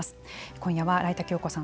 今夜は來田享子さん